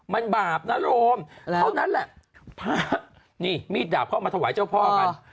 มันบาปนะโรมเท่านั้นแหละพระนี่มีดดาบเข้ามาถวายเจ้าพ่อกัน